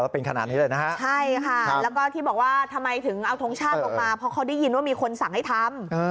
เพราะเขาได้ยินว่ามีคนสั่งให้ทำ